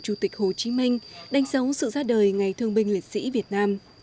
chủ tịch hồ chí minh đánh dấu sự ra đời ngày thương binh liệt sĩ việt nam